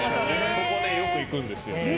ここ、よく行くんです。